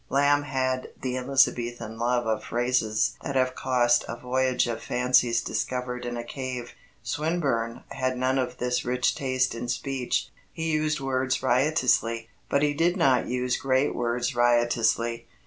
Lamb had the Elizabethan love of phrases that have cost a voyage of fancies discovered in a cave. Swinburne had none of this rich taste in speech. He used words riotously, but he did not use great words riotously.